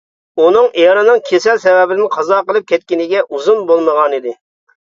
ئۇنىڭ ئېرىنىڭ كېسەل سەۋەبىدىن قازا قىلىپ كەتكىنىگە ئۇزۇن بولمىغانىدى.